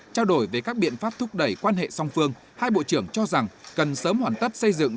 trao đổi về các biện pháp thúc đẩy quan hệ song phương hai bộ trưởng cho rằng cần sớm hoàn tất xây dựng